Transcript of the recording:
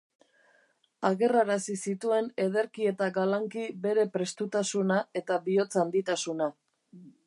Agerrarazi zituen ederki eta galanki bere prestutasuna eta bihotz-handitasuna.